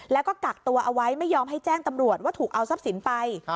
แล้วก็กักตัวเอาไว้ไม่ยอมให้แจ้งตำรวจว่าถูกเอาทรัพย์สินไป